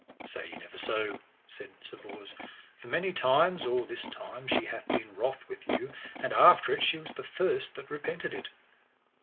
Say ye never so, said Sir Bors, for many times or this time she hath been wroth with you, and after it she was the first that repented it.